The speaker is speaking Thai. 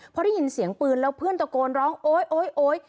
พอได้ยินเสียงปืนแล้วเพื่อนตะโกนร้องโอ๊ยโอ๊ยโอ๊ย